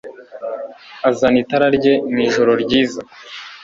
Azana itara rye mwijoro ryiza